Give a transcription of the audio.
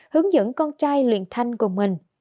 hướng dẫn con trai luyện thanh cùng mình